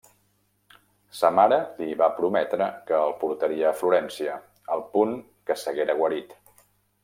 Sa mare li va prometre que el portaria a Florència, al punt que s'haguera guarit.